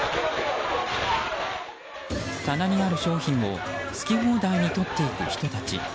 棚にある商品を好き放題にとっていく人たち。